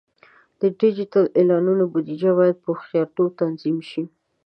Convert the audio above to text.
د ډیجیټل اعلانونو بودیجه باید په هوښیارتوب تنظیم شي.